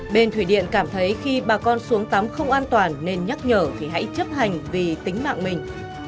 bên thủy điện cảm thấy khi bà con xuống tắm không an toàn nên nhắc nhở thì hãy chấp hành vì tính mạng mình